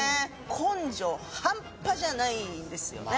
根性ハンパじゃないんですよね